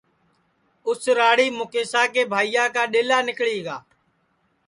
اُس راڑیم مُکیشا کے بھائیا کا ڈؔیلا نیکݪی گا